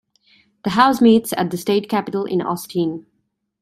The House meets at the State Capitol in Austin.